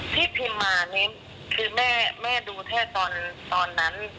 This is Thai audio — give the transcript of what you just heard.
ที่พิมพ์มานี้คือแม่ดูแค่ตอนนั้น